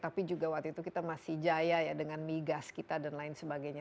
tapi juga waktu itu kita masih jaya ya dengan migas kita dan lain sebagainya